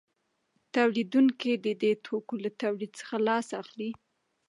تولیدونکي د دې توکو له تولید څخه لاس اخلي